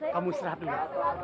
kamu serap ya